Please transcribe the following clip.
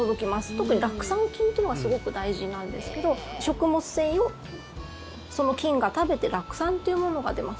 特に酪酸菌というのがすごく大事なんですけど食物繊維をその菌が食べて酪酸というものが出ます。